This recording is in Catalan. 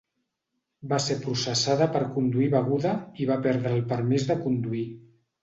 Va ser processada per conduir beguda i va perdre el permís de conduir.